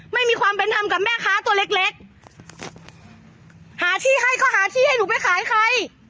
ไม่มีความเป็นธรรมกับแม่ค้าตัวเล็กเล็กหาที่ให้เขาหาที่ให้หนูไปขายใคร